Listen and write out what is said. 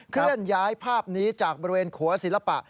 เคลื่อนย้ายภาพนี้จากบริเวณขัวศิลปะ